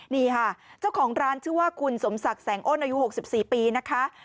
นี่ค่ะเจ้าของร้านชื่อว่าคุณสมศักดิ์แสงอ้นอายุ๖๔ปีนะคะ